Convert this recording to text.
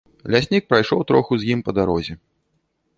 Ляснік прайшоў троху з ім па дарозе.